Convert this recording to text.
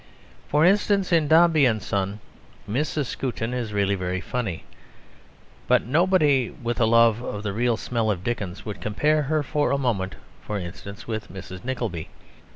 For instance, in Dombey and Son, Mrs. Skewton is really very funny. But nobody with a love of the real smell of Dickens would compare her for a moment, for instance, with Mrs. Nickleby.